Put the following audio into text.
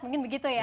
mungkin begitu ya